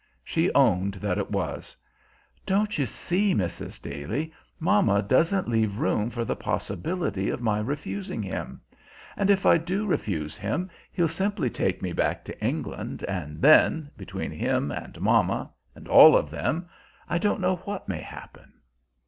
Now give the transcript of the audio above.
She owned that it was. "Don't you see, Mrs. Daly, mamma doesn't leave room for the possibility of my refusing him. And if I do refuse him, he'll simply take me back to England, and then, between him and mamma, and all of them, I don't know what may happen."